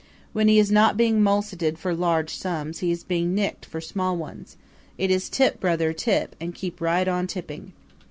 When he is not being mulcted for large sums he is being nicked for small ones. It is tip, brother, tip, and keep right on tipping.